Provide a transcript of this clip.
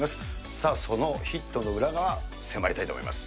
さあ、そのヒットの裏側、迫りたいと思います。